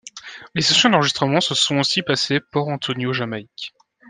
Les sessions d'enregistrements se sont aussi passées Port Antonio, Jamaïque.